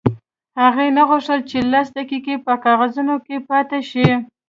هغې نه غوښتل چې لس دقیقې په کاغذونو کې پاتې شي